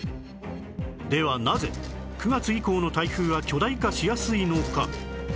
ではなぜ９月以降の台風は巨大化しやすいのか？